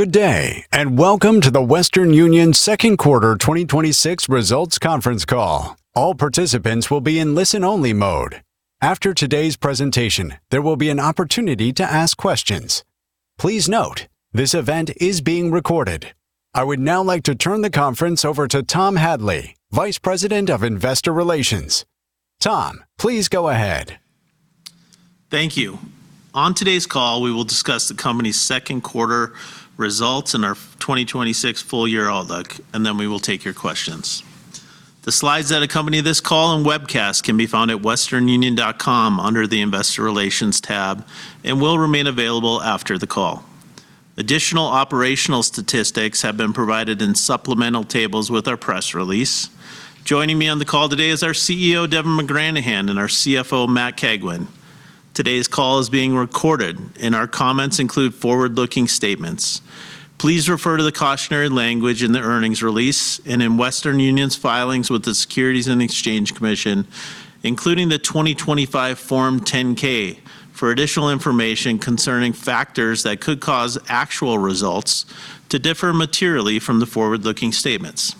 Good day, and welcome to the Western Union second quarter 2026 results conference call. All participants will be in listen-only mode. After today's presentation, there will be an opportunity to ask questions. Please note, this event is being recorded. I would now like to turn the conference over to Tom Hadley, Head of Investor Relations. Tom, please go ahead. Thank you. On today's call, we will discuss the company's second quarter results and our 2026 full-year outlook. Then we will take your questions. The slides that accompany this call and webcast can be found at westernunion.com under the Investor Relations tab and will remain available after the call. Additional operational statistics have been provided in supplemental tables with our press release. Joining me on the call today is our CEO, Devin McGranahan, and our CFO, Matt Cagwin. Today's call is being recorded. Our comments include forward-looking statements. Please refer to the cautionary language in the earnings release and in Western Union's filings with the Securities and Exchange Commission, including the 2025 Form 10-K, for additional information concerning factors that could cause actual results to differ materially from the forward-looking statements.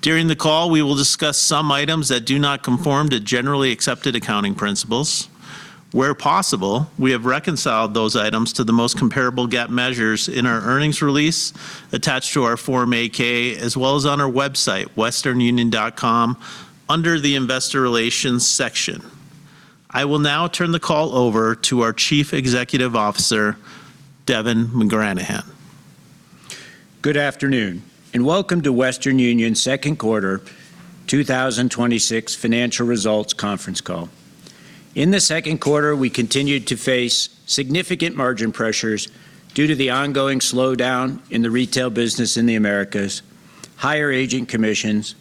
During the call, we will discuss some items that do not conform to generally accepted accounting principles. Where possible, we have reconciled those items to the most comparable GAAP measures in our earnings release attached to our Form 8-K, as well as on our website, westernunion.com, under the Investor Relations section. I will now turn the call over to our Chief Executive Officer, Devin McGranahan. Good afternoon. Welcome to Western Union second quarter 2026 financial results conference call. In the second quarter, we continued to face significant margin pressures due to the ongoing slowdown in the retail business in the Americas, higher agent commissions,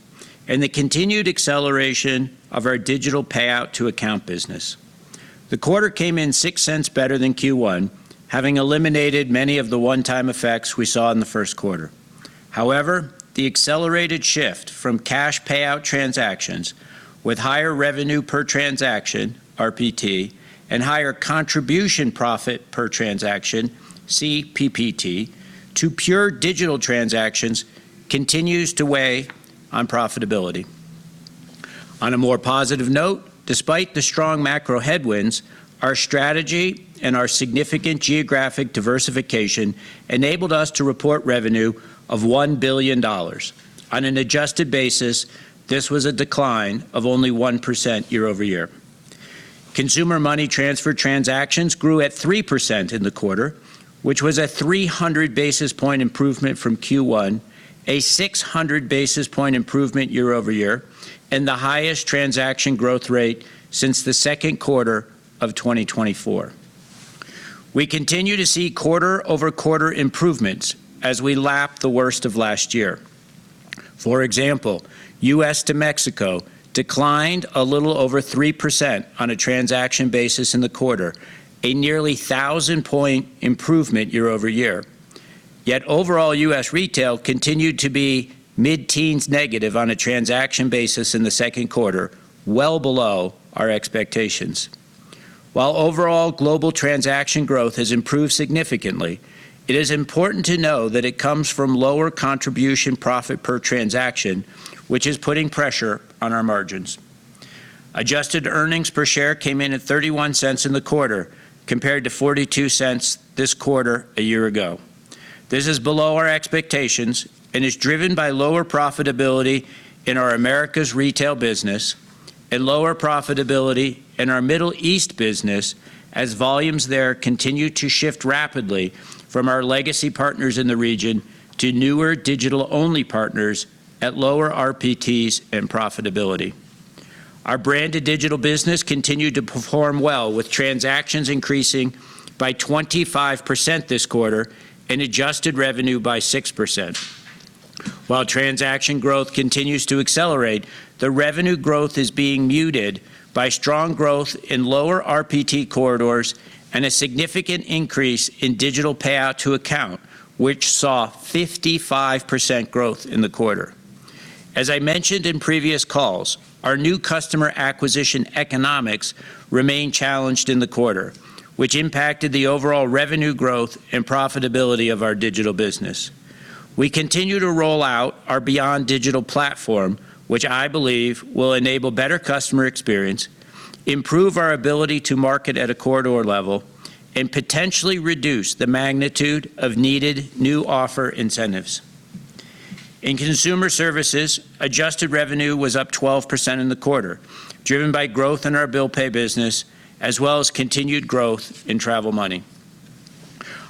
and the continued acceleration of our digital payout to account business. The quarter came in $0.06 better than Q1, having eliminated many of the one-time effects we saw in the first quarter. The accelerated shift from cash payout transactions with higher revenue per transaction, RPT, and higher contribution profit per transaction, CPPT, to pure digital transactions continues to weigh on profitability. On a more positive note, despite the strong macro headwinds, our strategy and our significant geographic diversification enabled us to report revenue of $1 billion. On an adjusted basis, this was a decline of only 1% year-over-year. Consumer Money Transfer transactions grew at 3% in the quarter, which was a 300-basis-point improvement from Q1, a 600-basis-point improvement year-over-year, and the highest transaction growth rate since the second quarter of 2024. We continue to see quarter-over-quarter improvements as we lap the worst of last year. For example, U.S. to Mexico declined a little over 3% on a transaction basis in the quarter, a nearly 1,000-point improvement year-over-year. Overall, U.S. retail continued to be mid-teens negative on a transaction basis in the second quarter, well below our expectations. While overall global transaction growth has improved significantly, it is important to know that it comes from lower contribution profit per transaction, which is putting pressure on our margins. Adjusted earnings per share came in at $0.31 in the quarter, compared to $0.42 this quarter a year ago. This is below our expectations and is driven by lower profitability in our Americas retail business and lower profitability in our Middle East business, as volumes there continue to shift rapidly from our legacy partners in the region to newer digital-only partners at lower RPTs and profitability. Our Branded Digital business continued to perform well, with transactions increasing by 25% this quarter and adjusted revenue by 6%. Transaction growth continues to accelerate, the revenue growth is being muted by strong growth in lower RPT corridors and a significant increase in digital payout to account, which saw 55% growth in the quarter. As I mentioned in previous calls, our new customer acquisition economics remain challenged in the quarter, which impacted the overall revenue growth and profitability of our digital business. We continue to roll out our Beyond Digital platform, which I believe will enable better customer experience, improve our ability to market at a corridor level, and potentially reduce the magnitude of needed new offer incentives. In Consumer Services, adjusted revenue was up 12% in the quarter, driven by growth in our Bill Pay business, as well as continued growth in Travel Money.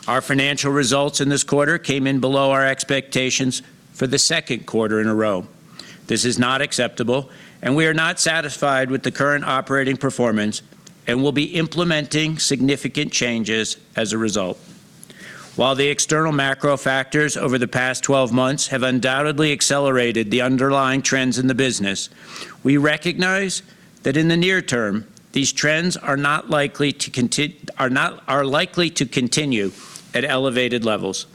Our financial results in this quarter came in below our expectations for the second quarter in a row. This is not acceptable, we are not satisfied with the current operating performance and will be implementing significant changes as a result. The external macro factors over the past 12 months have undoubtedly accelerated the underlying trends in the business, we recognize that in the near term, these trends are likely to continue at elevated levels.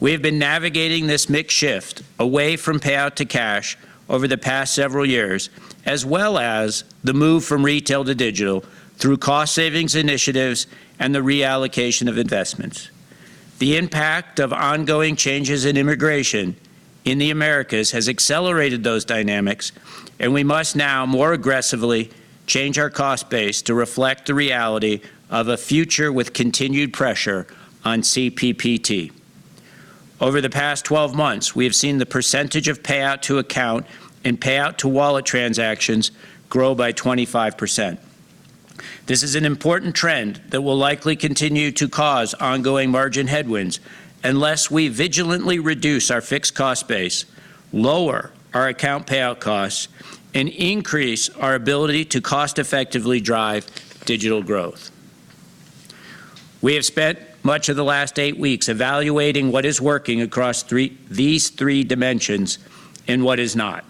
We have been navigating this mix shift away from payout to cash over the past several years, as well as the move from retail to digital through cost savings initiatives and the reallocation of investments. The impact of ongoing changes in immigration in the Americas has accelerated those dynamics, we must now more aggressively change our cost base to reflect the reality of a future with continued pressure on CPPT. Over the past 12 months, we have seen the percentage of payout to account and payout to wallet transactions grow by 25%. This is an important trend that will likely continue to cause ongoing margin headwinds unless we vigilantly reduce our fixed cost base, lower our account payout costs, increase our ability to cost effectively drive digital growth. We have spent much of the last eight weeks evaluating what is working across these three dimensions and what is not.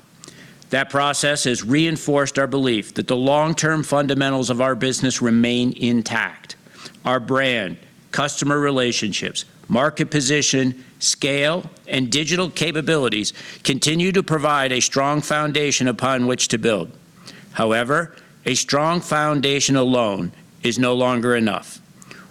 That process has reinforced our belief that the long-term fundamentals of our business remain intact. Our brand, customer relationships, market position, scale, and digital capabilities continue to provide a strong foundation upon which to build. However, a strong foundation alone is no longer enough.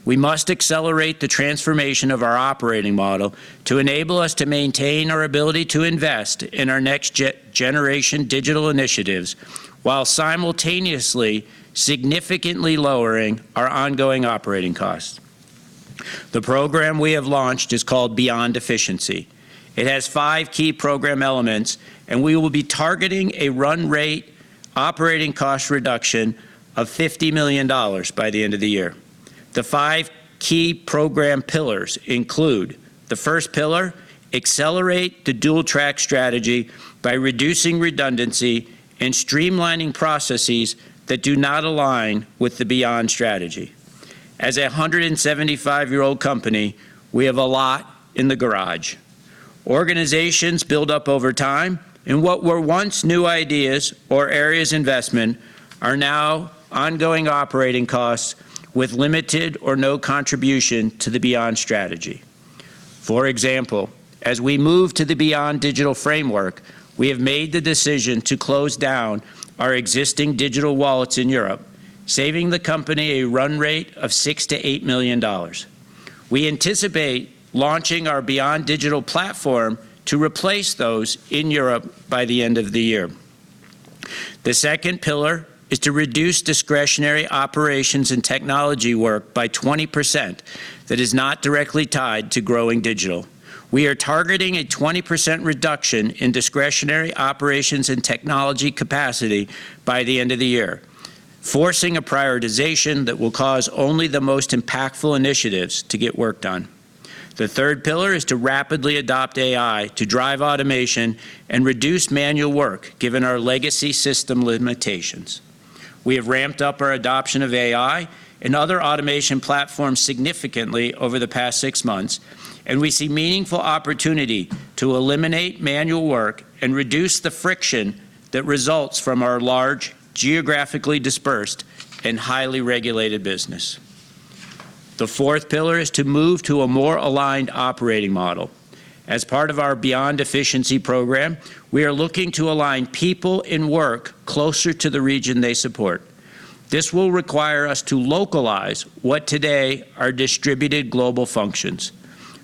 We must accelerate the transformation of our operating model to enable us to maintain our ability to invest in our next generation digital initiatives while simultaneously, significantly lowering our ongoing operating costs. The program we have launched is called Beyond Efficiency. It has five key program elements, and we will be targeting a run rate operating cost reduction of $50 million by the end of the year. The five key program pillars include the first pillar, accelerate the dual track strategy by reducing redundancy and streamlining processes that do not align with the Beyond strategy. As a 175-year-old company, we have a lot in the garage. Organizations build up over time, and what were once new ideas or areas investment are now ongoing operating costs with limited or no contribution to the Beyond strategy. For example, as we move to the Beyond digital framework, we have made the decision to close down our existing digital wallets in Europe, saving the company a run rate of $6 million to $8 million. We anticipate launching our Beyond digital platform to replace those in Europe by the end of the year. The second pillar is to reduce discretionary operations and technology work by 20% that is not directly tied to growing digital. We are targeting a 20% reduction in discretionary operations and technology capacity by the end of the year, forcing a prioritization that will cause only the most impactful initiatives to get work done. The third pillar is to rapidly adopt AI to drive automation and reduce manual work, given our legacy system limitations. We have ramped up our adoption of AI and other automation platforms significantly over the past six months, and we see meaningful opportunity to eliminate manual work and reduce the friction that results from our large geographically dispersed and highly regulated business. The fourth pillar is to move to a more aligned operating model. As part of our Beyond Efficiency program, we are looking to align people in work closer to the region they support. This will require us to localize what today are distributed global functions.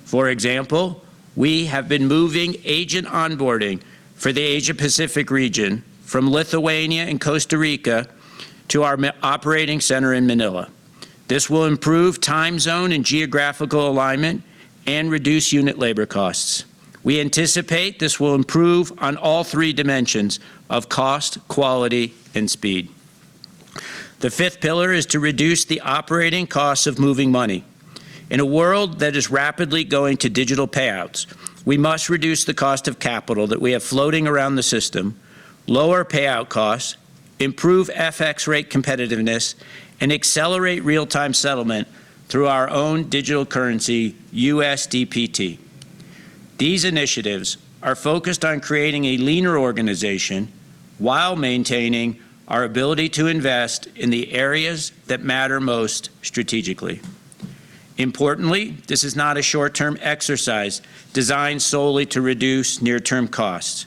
For example, we have been moving agent onboarding for the Asia-Pacific region from Lithuania and Costa Rica to our operating center in Manila. This will improve time zone and geographical alignment and reduce unit labor costs. We anticipate this will improve on all three dimensions of cost, quality, and speed. The fifth pillar is to reduce the operating costs of moving money. In a world that is rapidly going to digital payouts, we must reduce the cost of capital that we have floating around the system, lower payout costs, improve FX rate competitiveness, and accelerate real-time settlement through our own digital currency, USDPT. These initiatives are focused on creating a leaner organization while maintaining our ability to invest in the areas that matter most strategically. Importantly, this is not a short-term exercise designed solely to reduce near-term costs.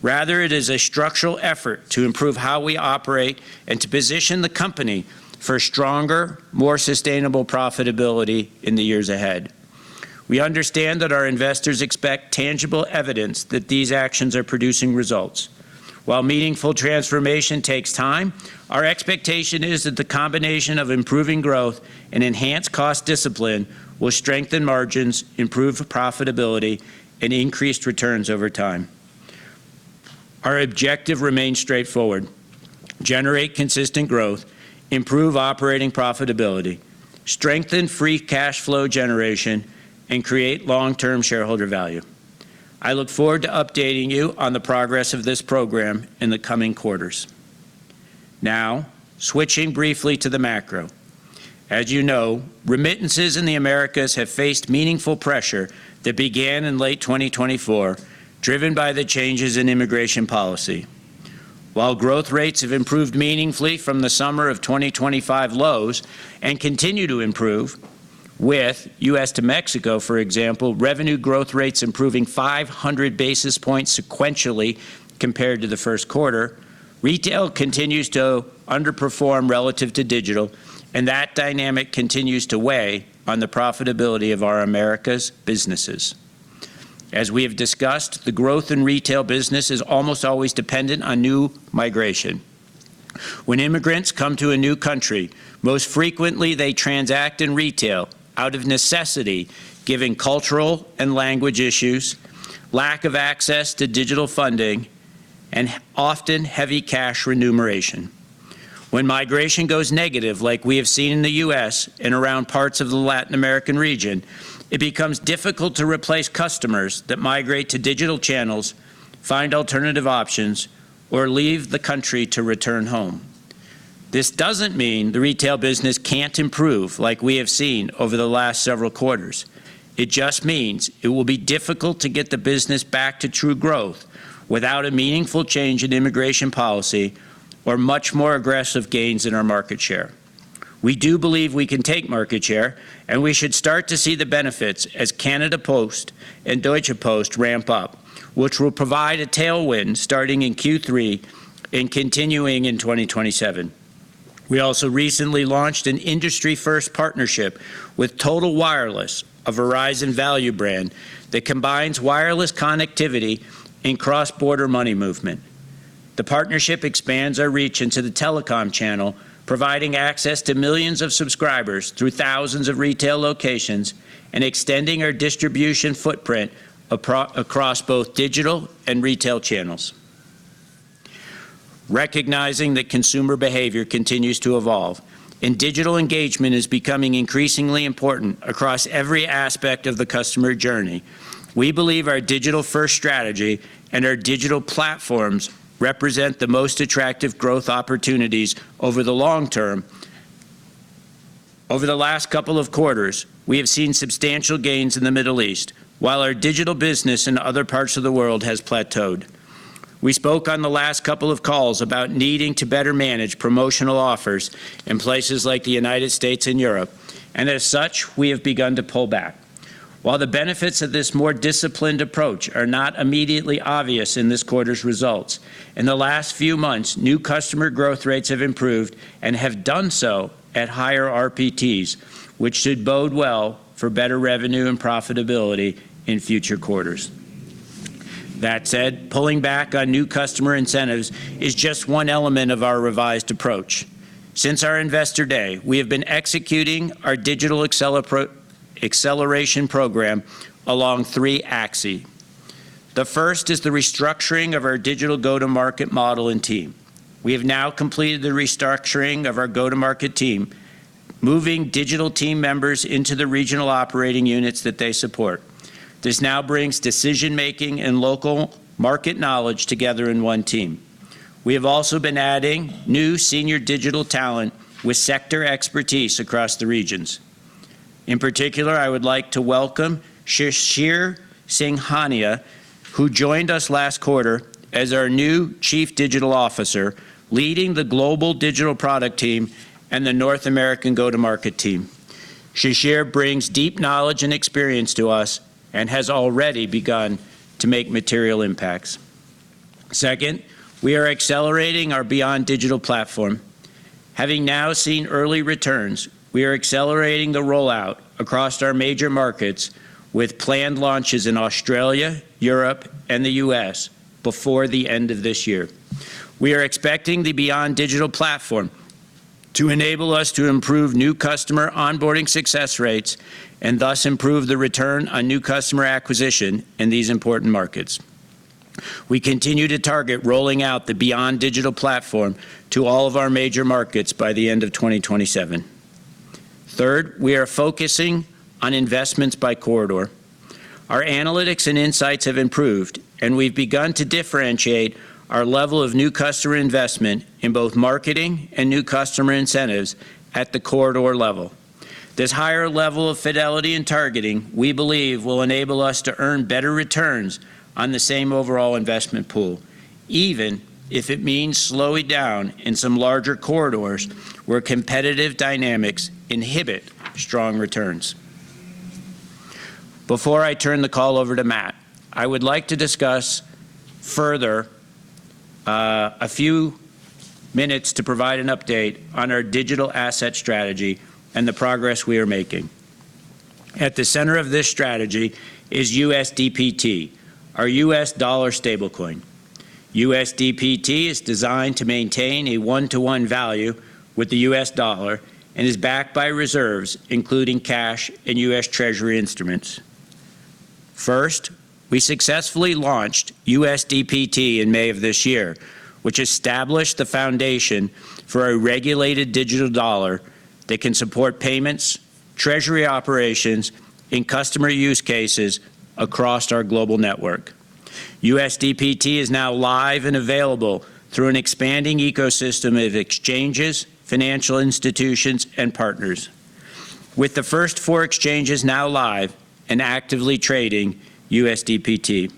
Rather, it is a structural effort to improve how we operate and to position the company for stronger, more sustainable profitability in the years ahead. We understand that our investors expect tangible evidence that these actions are producing results. While meaningful transformation takes time, our expectation is that the combination of improving growth and enhanced cost discipline will strengthen margins, improve profitability, and increase returns over time. Our objective remains straightforward. Generate consistent growth, improve operating profitability, strengthen free cash flow generation, and create long-term shareholder value. I look forward to updating you on the progress of this program in the coming quarters. Now, switching briefly to the macro. As you know, remittances in the Americas have faced meaningful pressure that began in late 2024, driven by the changes in immigration policy. While growth rates have improved meaningfully from the summer of 2025 lows and continue to improve with U.S. to Mexico, for example, revenue growth rates improving 500 basis points sequentially compared to the first quarter, retail continues to underperform relative to digital, and that dynamic continues to weigh on the profitability of our Americas businesses. As we have discussed, the growth in retail business is almost always dependent on new migration. When immigrants come to a new country, most frequently they transact in retail out of necessity, given cultural and language issues, lack of access to digital funding, and often heavy cash remuneration. When migration goes negative, like we have seen in the U.S. and around parts of the Latin American region, it becomes difficult to replace customers that migrate to digital channels, find alternative options, or leave the country to return home. This doesn't mean the retail business can't improve like we have seen over the last several quarters. It just means it will be difficult to get the business back to true growth without a meaningful change in immigration policy or much more aggressive gains in our market share. We do believe we can take market share, and we should start to see the benefits as Canada Post and Deutsche Post ramp up, which will provide a tailwind starting in Q3 and continuing in 2027. We also recently launched an industry-first partnership with Total Wireless, a Verizon value brand that combines wireless connectivity and cross-border money movement. The partnership expands our reach into the telecom channel, providing access to millions of subscribers through thousands of retail locations and extending our distribution footprint across both digital and retail channels. Recognizing that consumer behavior continues to evolve and digital engagement is becoming increasingly important across every aspect of the customer journey, we believe our digital-first strategy and our digital platforms represent the most attractive growth opportunities over the long term. Over the last couple of quarters, we have seen substantial gains in the Middle East, while our digital business in other parts of the world has plateaued. We spoke on the last couple of calls about needing to better manage promotional offers in places like the United States and Europe, and as such, we have begun to pull back. While the benefits of this more disciplined approach are not immediately obvious in this quarter's results, in the last few months, new customer growth rates have improved and have done so at higher RPTs, which should bode well for better revenue and profitability in future quarters. That said, pulling back on new customer incentives is just one element of our revised approach. Since our investor day, we have been executing our digital acceleration program along three axes. The first is the restructuring of our digital go-to-market model and team. We have now completed the restructuring of our go-to-market team, moving digital team members into the regional operating units that they support. This now brings decision-making and local market knowledge together in one team. We have also been adding new senior digital talent with sector expertise across the regions. In particular, I would like to welcome Shishir Singhania, who joined us last quarter as our new Chief Digital Officer, leading the global digital product team and the North American go-to-market team. Shishir brings deep knowledge and experience to us and has already begun to make material impacts. Second, we are accelerating our Beyond Digital platform. Having now seen early returns, we are accelerating the rollout across our major markets with planned launches in Australia, Europe, and the U.S. before the end of this year. We are expecting the Beyond Digital platform to enable us to improve new customer onboarding success rates and thus improve the return on new customer acquisition in these important markets. We continue to target rolling out the Beyond Digital platform to all of our major markets by the end of 2027. Third, we are focusing on investments by corridor. Our analytics and insights have improved, and we've begun to differentiate our level of new customer investment in both marketing and new customer incentives at the corridor level. This higher level of fidelity and targeting, we believe, will enable us to earn better returns on the same overall investment pool, even if it means slowing down in some larger corridors where competitive dynamics inhibit strong returns. Before I turn the call over to Matt, I would like to discuss further a few minutes to provide an update on our digital asset strategy and the progress we are making. At the center of this strategy is USDPT, our U.S. dollar stablecoin. USDPT is designed to maintain a one-to-one value with the U.S. dollar and is backed by reserves, including cash and U.S. Treasury instruments. First, we successfully launched USDPT in May of this year, which established the foundation for a regulated digital dollar that can support payments, treasury operations, and customer use cases across our global network. USDPT is now live and available through an expanding ecosystem of exchanges, financial institutions, and partners. With the first four exchanges now live and actively trading USDPT.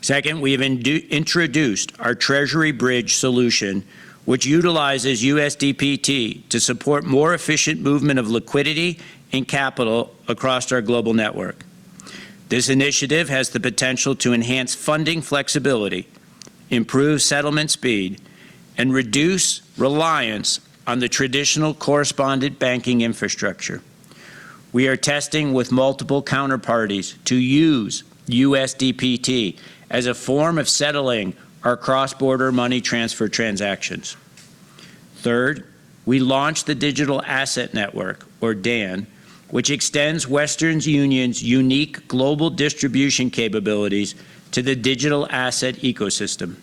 Second, we have introduced our Treasury Bridge solution, which utilizes USDPT to support more efficient movement of liquidity and capital across our global network. This initiative has the potential to enhance funding flexibility, improve settlement speed, and reduce reliance on the traditional correspondent banking infrastructure. We are testing with multiple counterparties to use USDPT as a form of settling our cross-border money transfer transactions. Third, we launched the Digital Asset Network, or DAN, which extends Western Union's unique global distribution capabilities to the digital asset ecosystem.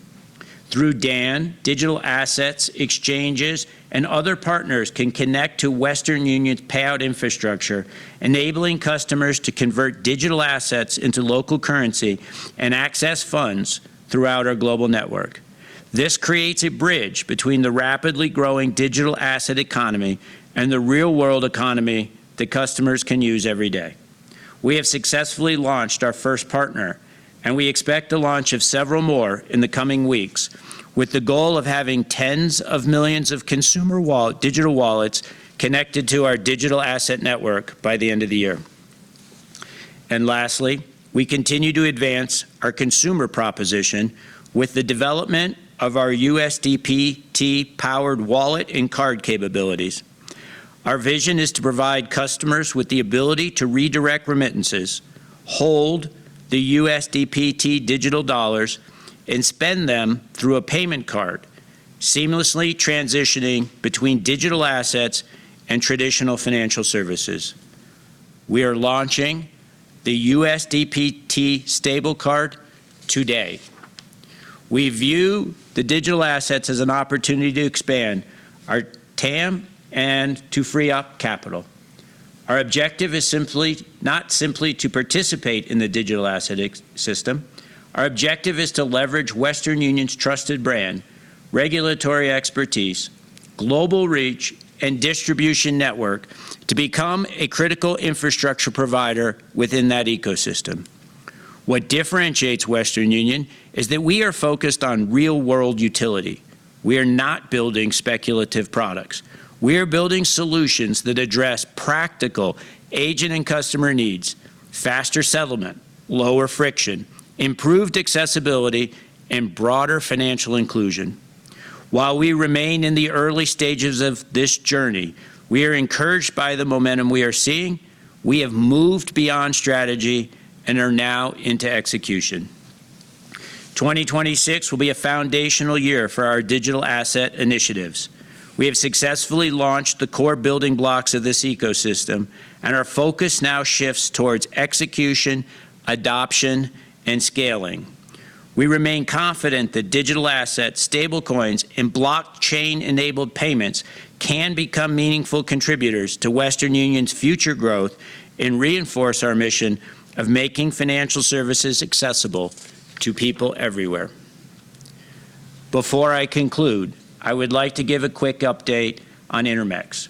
Through DAN, digital assets, exchanges, and other partners can connect to Western Union's payout infrastructure, enabling customers to convert digital assets into local currency and access funds throughout our global network. This creates a bridge between the rapidly growing digital asset economy and the real-world economy that customers can use every day. We have successfully launched our first partner, we expect the launch of several more in the coming weeks, with the goal of having tens of millions of consumer digital wallets connected to our Digital Asset Network by the end of the year. Lastly, we continue to advance our consumer proposition with the development of our USDPT-powered wallet and card capabilities. Our vision is to provide customers with the ability to redirect remittances, hold the USDPT digital dollars, and spend them through a payment card, seamlessly transitioning between digital assets and traditional financial services. We are launching the USDPT Stablecard today. We view the digital assets as an opportunity to expand our TAM and to free up capital. Our objective is not simply to participate in the digital asset system. Our objective is to leverage Western Union's trusted brand, regulatory expertise, global reach, and distribution network to become a critical infrastructure provider within that ecosystem. What differentiates Western Union is that we are focused on real-world utility. We are not building speculative products. We are building solutions that address practical agent and customer needs, faster settlement, lower friction, improved accessibility, and broader financial inclusion. While we remain in the early stages of this journey, we are encouraged by the momentum we are seeing. We have moved beyond strategy and are now into execution. 2026 will be a foundational year for our digital asset initiatives. We have successfully launched the core building blocks of this ecosystem, our focus now shifts towards execution, adoption, and scaling. We remain confident that digital assets, stablecoins, and blockchain-enabled payments can become meaningful contributors to Western Union's future growth and reinforce our mission of making financial services accessible to people everywhere. Before I conclude, I would like to give a quick update on Intermex.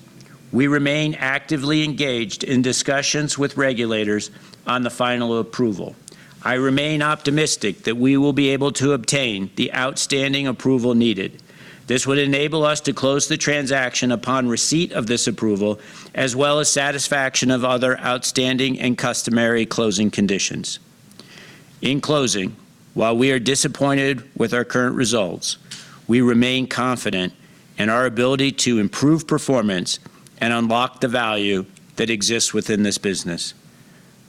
We remain actively engaged in discussions with regulators on the final approval. I remain optimistic that we will be able to obtain the outstanding approval needed. This would enable us to close the transaction upon receipt of this approval, as well as satisfaction of other outstanding and customary closing conditions. In closing, while we are disappointed with our current results, we remain confident in our ability to improve performance and unlock the value that exists within this business.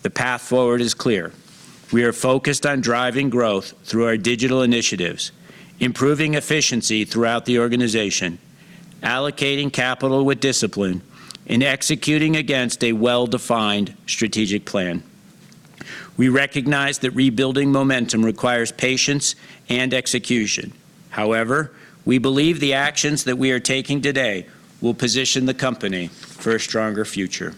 The path forward is clear. We are focused on driving growth through our digital initiatives, improving efficiency throughout the organization, allocating capital with discipline, and executing against a well-defined strategic plan. We recognize that rebuilding momentum requires patience and execution. However, we believe the actions that we are taking today will position the company for a stronger future.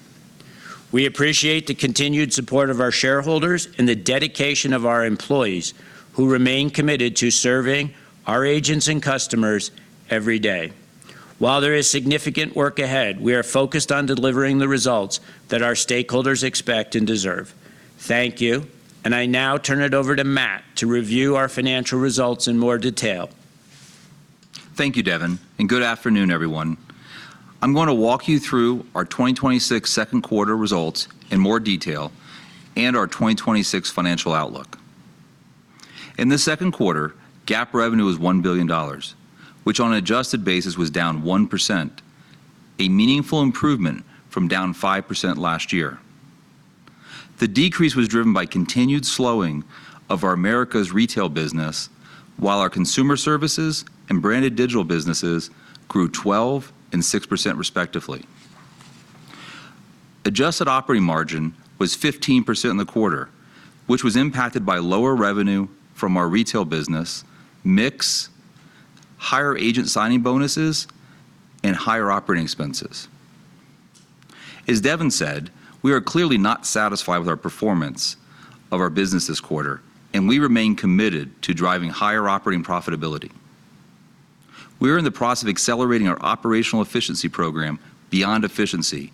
We appreciate the continued support of our shareholders and the dedication of our employees, who remain committed to serving our agents and customers every day. While there is significant work ahead, we are focused on delivering the results that our stakeholders expect and deserve. Thank you. I now turn it over to Matt to review our financial results in more detail. Thank you, Devin, and good afternoon, everyone. I'm going to walk you through our 2026 second quarter results in more detail and our 2026 financial outlook. In the second quarter, GAAP revenue was $1 billion, which on an adjusted basis was down 1%, a meaningful improvement from down 5% last year. The decrease was driven by continued slowing of our Americas retail business, while our Consumer Services and Branded Digital businesses grew 12% and 6% respectively. Adjusted operating margin was 15% in the quarter, which was impacted by lower revenue from our retail business mix, higher agent signing bonuses, and higher operating expenses. As Devin said, we are clearly not satisfied with our performance of our business this quarter, and we remain committed to driving higher operating profitability. We are in the process of accelerating our operational efficiency program Beyond Efficiency,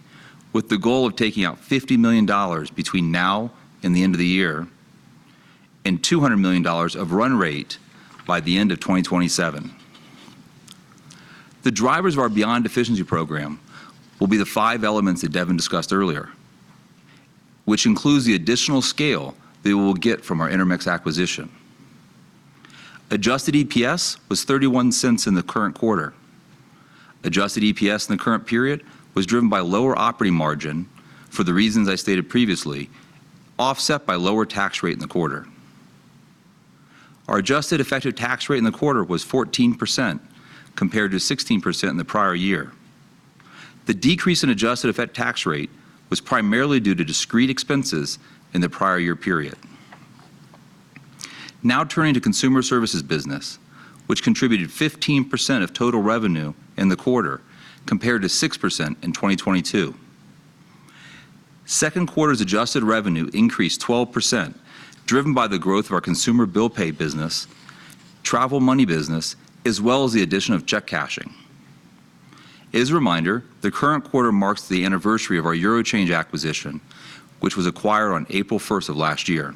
with the goal of taking out $50 million between now and the end of the year and $200 million of run rate by the end of 2027. The drivers of our Beyond Efficiency program will be the five elements that Devin discussed earlier, which includes the additional scale that we will get from our Intermex acquisition. Adjusted EPS was $0.31 in the current quarter. Adjusted EPS in the current period was driven by lower operating margin for the reasons I stated previously, offset by lower tax rate in the quarter. Our adjusted effective tax rate in the quarter was 14% compared to 16% in the prior year. The decrease in adjusted effective tax rate was primarily due to discrete expenses in the prior year period. Turning to Consumer Services business, which contributed 15% of total revenue in the quarter compared to 6% in 2022. Second quarter's adjusted revenue increased 12%, driven by the growth of our Consumer Bill Pay business, Travel Money business, as well as the addition of check cashing. As a reminder, the current quarter marks the anniversary of our eurochange acquisition, which was acquired on April 1st of last year.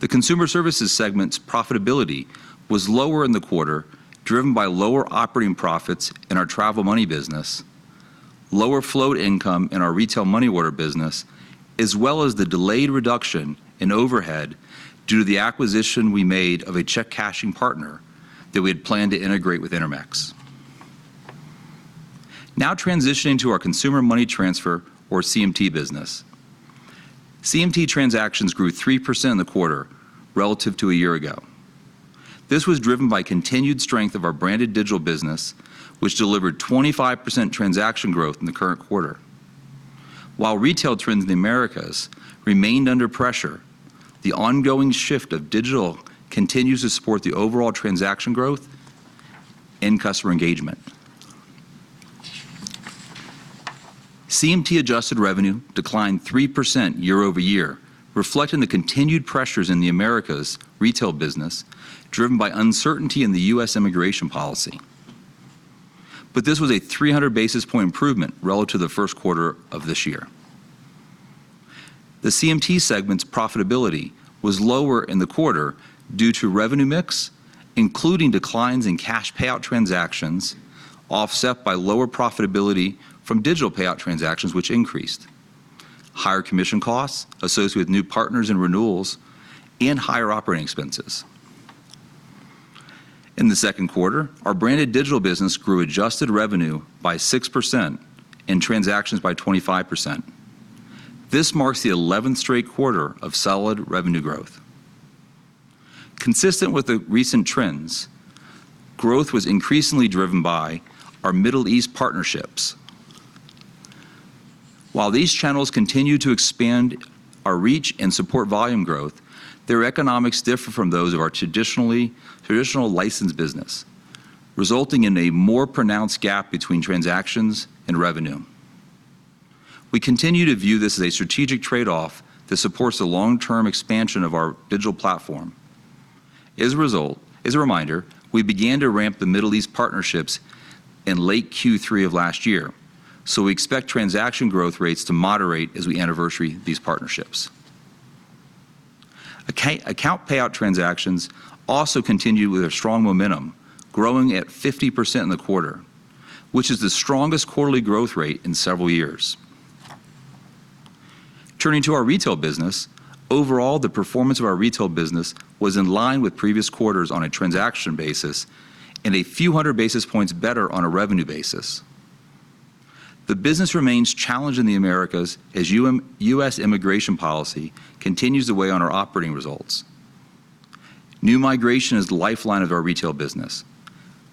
The Consumer Services segment's profitability was lower in the quarter, driven by lower operating profits in our Travel Money business, lower float income in our Retail Money Order business, as well as the delayed reduction in overhead due to the acquisition we made of a check cashing partner that we had planned to integrate with Intermex. Transitioning to our Consumer Money Transfer or CMT business. CMT transactions grew 3% in the quarter relative to a year ago. This was driven by continued strength of our Branded Digital business, which delivered 25% transaction growth in the current quarter. While retail trends in the Americas remained under pressure, the ongoing shift of digital continues to support the overall transaction growth and customer engagement. CMT adjusted revenue declined 3% year-over-year, reflecting the continued pressures in the Americas retail business, driven by uncertainty in the U.S. immigration policy. This was a 300 basis point improvement relative to the first quarter of this year. The CMT segment's profitability was lower in the quarter due to revenue mix, including declines in cash payout transactions, offset by lower profitability from digital payout transactions, which increased. Higher commission costs associated with new partners and renewals, and higher operating expenses. In the second quarter, our Branded Digital business grew adjusted revenue by 6% and transactions by 25%. This marks the 11th straight quarter of solid revenue growth. Consistent with the recent trends, growth was increasingly driven by our Middle East partnerships. While these channels continue to expand our reach and support volume growth, their economics differ from those of our traditional licensed business, resulting in a more pronounced gap between transactions and revenue. We continue to view this as a strategic trade-off that supports the long-term expansion of our digital platform. As a reminder, we began to ramp the Middle East partnerships in late Q3 of last year, so we expect transaction growth rates to moderate as we anniversary these partnerships. Account payout transactions also continued with a strong momentum, growing at 50% in the quarter, which is the strongest quarterly growth rate in several years. Turning to our retail business, overall, the performance of our retail business was in line with previous quarters on a transaction basis and a few hundred basis points better on a revenue basis. The business remains challenged in the Americas as U.S. immigration policy continues to weigh on our operating results. New migration is the lifeline of our retail business.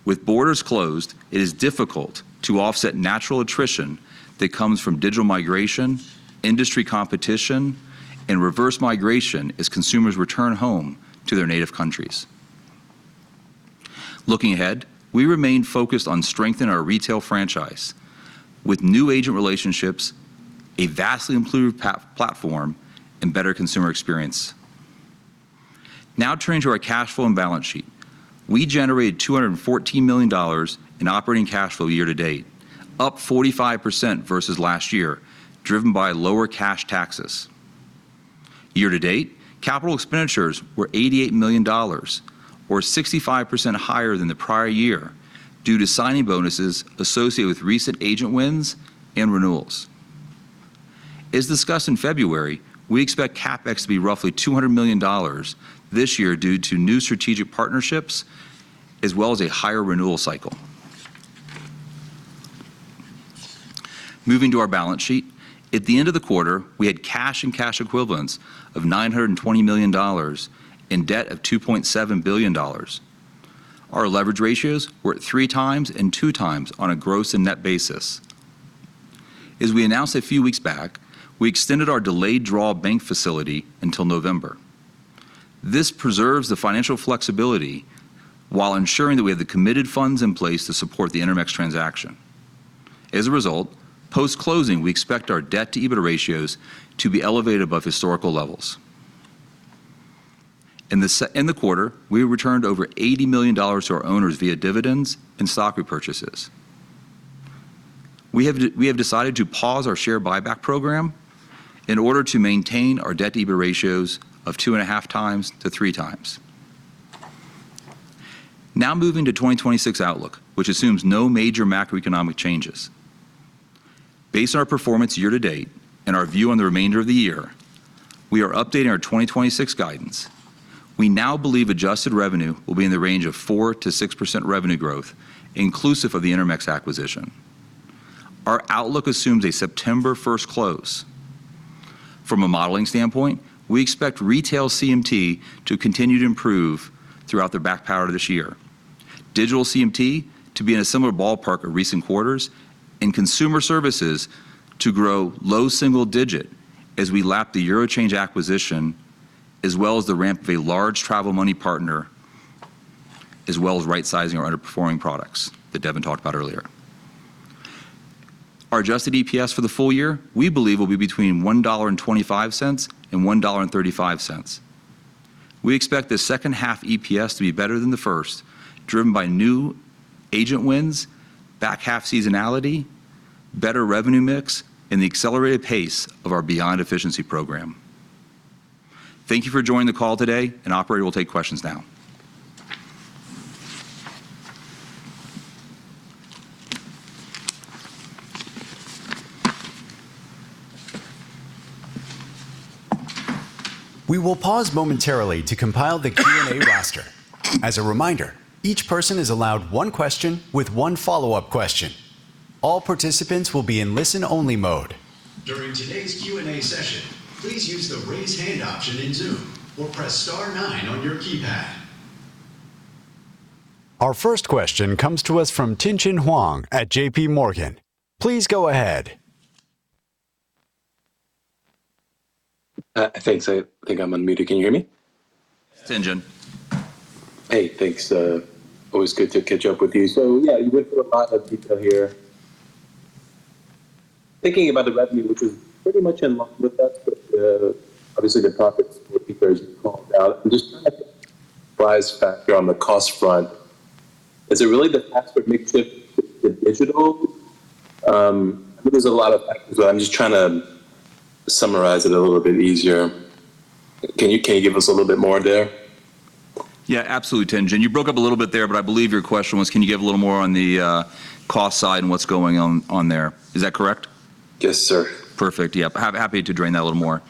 With borders closed, it is difficult to offset natural attrition that comes from digital migration, industry competition, and reverse migration as consumers return home to their native countries. Looking ahead, we remain focused on strengthening our retail franchise with new agent relationships, a vastly improved platform, and better consumer experience. Now turning to our cash flow and balance sheet. We generated $214 million in operating cash flow year-to-date, up 45% versus last year, driven by lower cash taxes. Year-to-date, capital expenditures were $88 million, or 65% higher than the prior year due to signing bonuses associated with recent agent wins and renewals. As discussed in February, we expect CapEx to be roughly $200 million this year due to new strategic partnerships, as well as a higher renewal cycle. Moving to our balance sheet. At the end of the quarter, we had cash and cash equivalents of $920 million in debt of $2.7 billion. Our leverage ratios were at three times and two times on a gross and net basis. As we announced a few weeks back, we extended our delayed draw bank facility until November. This preserves the financial flexibility while ensuring that we have the committed funds in place to support the Intermex transaction. As a result, post-closing, we expect our debt to EBITDA ratios to be elevated above historical levels. In the quarter, we returned over $80 million to our owners via dividends and stock repurchases. We have decided to pause our share buyback program in order to maintain our debt-EBITDA ratios of two and a half times to three times. Now moving to 2026 outlook, which assumes no major macroeconomic changes. Based on our performance year to date and our view on the remainder of the year, we are updating our 2026 guidance. We now believe adjusted revenue will be in the range of 4%-6% revenue growth, inclusive of the Intermex acquisition. Our outlook assumes a September 1st close. From a modeling standpoint, we expect retail CMT to continue to improve throughout the back half of this year, digital CMT to be in a similar ballpark of recent quarters, and Consumer Services to grow low single-digit as we lap the eurochange acquisition, as well as the ramp of a large Travel Money partner, as well as rightsizing our underperforming products that Devin talked about earlier. Our adjusted EPS for the full-year, we believe, will be between $1.25 and $1.35. We expect the second half EPS to be better than the first, driven by new agent wins, back half seasonality, better revenue mix, and the accelerated pace of our Beyond Efficiency program. Thank you for joining the call today. Operator will take questions now. We will pause momentarily to compile the Q&A roster. As a reminder, each person is allowed one question with one follow-up question. All participants will be in listen-only mode. During today's Q&A session, please use the raise hand option in Zoom or press star 9 on your keypad. Our first question comes to us from Tien-Tsin Huang at JPMorgan. Please go ahead. Thanks. I think I'm on mute. Can you hear me? Tien-Tsin. Hey, thanks. Always good to catch up with you. Yeah, you went through a lot of detail here. Thinking about the revenue, which is pretty much in line with that, but obviously the profits will be very come down. I'm just trying to advise factor on the cost front. Is it really the pass-through mix with the digital? I think there's a lot of factors, but I'm just trying to summarize it a little bit easier. Can you give us a little bit more there? Absolutely, Tien-Tsin. You broke up a little bit there, but I believe your question was can you give a little more on the cost side and what is going on there? Is that correct? Yes, sir. Happy to drain that a little more.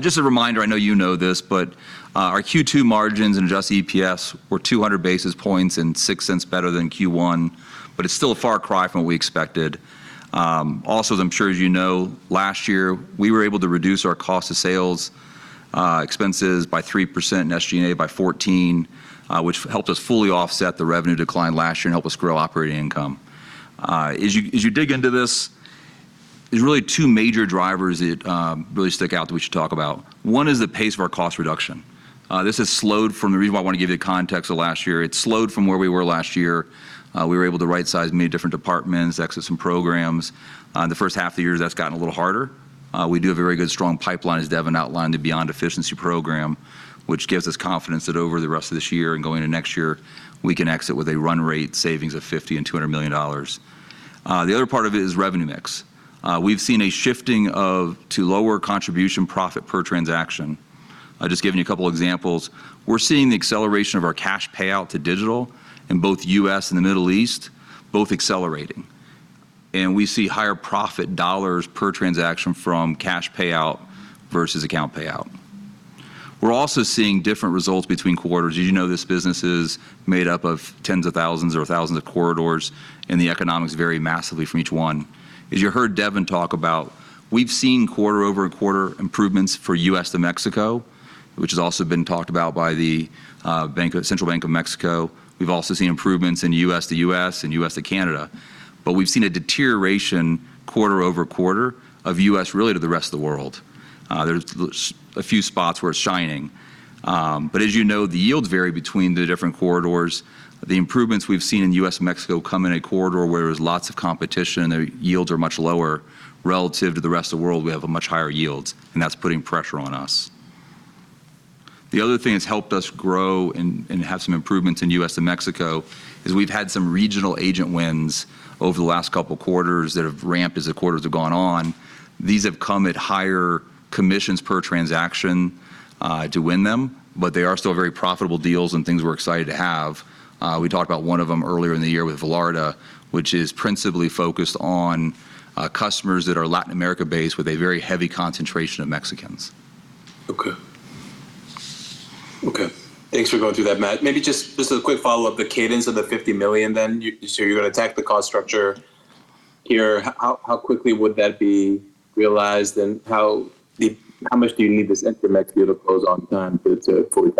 Just a reminder, I know you know this, but our Q2 margins and adjusted EPS were 200 basis points and $0.06 better than Q1, but it is still a far cry from what we expected. Also, as I am sure as you know, last year, we were able to reduce our cost of sales expenses by 3% and SG&A by 14%, which helped us fully offset the revenue decline last year and help us grow operating income. As you dig into this, there is really two major drivers that really stick out that we should talk about. One is the pace of our cost reduction. This has slowed from the reason why I want to give you context of last year. It slowed from where we were last year. We were able to rightsize many different departments, exit some programs. The first half of the year, that has gotten a little harder. We do have a very good, strong pipeline, as Devin outlined, the Beyond Efficiency program, which gives us confidence that over the rest of this year and going into next year, we can exit with a run rate savings of $50 and $200 million. The other part of it is revenue mix. We have seen a shifting to lower contribution profit per transaction. Just giving you a couple examples. We are seeing the acceleration of our cash payout to digital in both U.S. and the Middle East, both accelerating. We see higher profit dollars per transaction from cash payout versus account payout. We are also seeing different results between quarters. As you know, this business is made up of tens of thousands or thousands of corridors, and the economics vary massively from each one. As you heard Devin talk about, we've seen quarter-over-quarter improvements for U.S. to Mexico, which has also been talked about by the Banco de México. We've also seen improvements in U.S. to U.S. and U.S. to Canada. We've seen a deterioration quarter-over-quarter of U.S. really to the rest of the world. There's a few spots where it's shining. As you know, the yields vary between the different corridors. The improvements we've seen in U.S. and Mexico come in a corridor where there's lots of competition and the yields are much lower. Relative to the rest of the world, we have a much higher yield, and that's putting pressure on us. The other thing that's helped us grow and have some improvements in U.S. and Mexico is we've had some regional agent wins over the last couple quarters that have ramped as the quarters have gone on. These have come at higher commissions per transaction to win them, but they are still very profitable deals and things we're excited to have. We talked about one of them earlier in the year with Velarda, which is principally focused on customers that are Latin America-based with a very heavy concentration of Mexicans. Okay. Thanks for going through that, Matt. Maybe just as a quick follow-up, the cadence of the $50 million then. You're going to attack the cost structure here. How quickly would that be realized, and how much do you need this Intermex deal to close on time for it to fully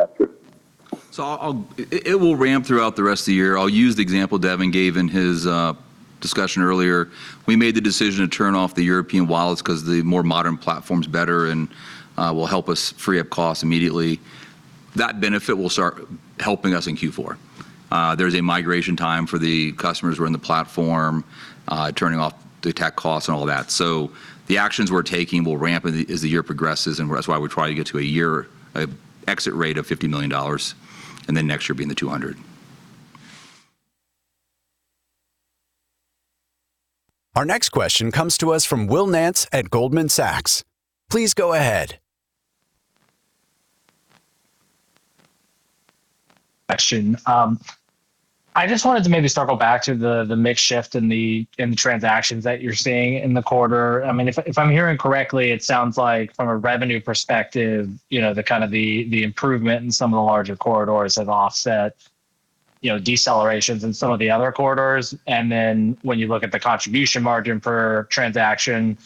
factor? It will ramp throughout the rest of the year. I'll use the example Devin gave in his discussion earlier. We made the decision to turn off the European wallets because the more modern platform's better and will help us free up costs immediately. That benefit will start helping us in Q4. There's a migration time for the customers who are in the platform, turning off the tech costs and all that. The actions we're taking will ramp as the year progresses, and that's why we're trying to get to a year exit rate of $50 million, and then next year being the $200 million. Our next question comes to us from Will Nance at Goldman Sachs. Please go ahead. Question. I just wanted to maybe circle back to the mix shift in the transactions that you're seeing in the quarter. If I'm hearing correctly, it sounds like from a revenue perspective, the kind of the improvement in some of the larger corridors have offset decelerations in some of the other corridors. Then when you look at the contribution margin per transaction,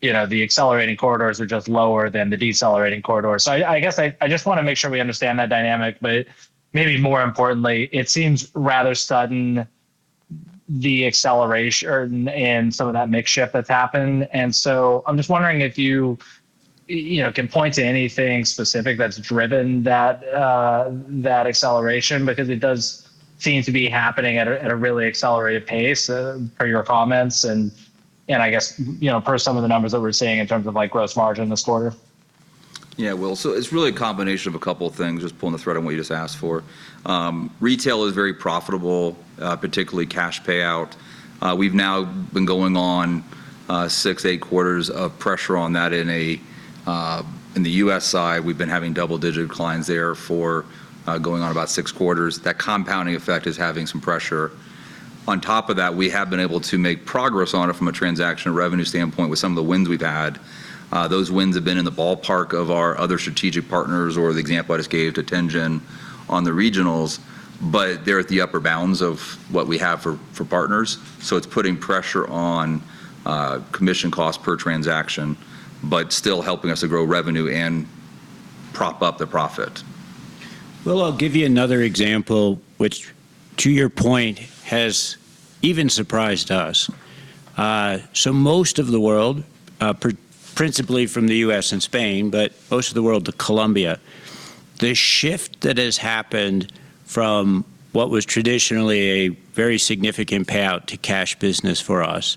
the accelerating corridors are just lower than the decelerating corridors. I guess I just want to make sure we understand that dynamic, but maybe more importantly, it seems rather sudden, the acceleration in some of that mix shift that's happened. I'm just wondering if you can point to anything specific that's driven that acceleration, because it does seem to be happening at a really accelerated pace, per your comments and I guess, per some of the numbers that we're seeing in terms of gross margin this quarter. Yeah, Will. It's really a combination of a couple of things, just pulling the thread on what you just asked for. Retail is very profitable, particularly cash payout. We've now been going on six, eight quarters of pressure on that in the U.S. side. We've been having double-digit declines there for going on about six quarters. That compounding effect is having some pressure. On top of that, we have been able to make progress on it from a transaction revenue standpoint with some of the wins we've had. Those wins have been in the ballpark of our other strategic partners or the example I just gave to Tien-Tsin, on the regionals, but they're at the upper bounds of what we have for partners. It's putting pressure on commission cost per transaction, but still helping us to grow revenue and prop up the profit. Will, I'll give you another example, which to your point, has even surprised us. Most of the world, principally from the U.S. and Spain, but most of the world to Colombia, the shift that has happened from what was traditionally a very significant payout to cash business for us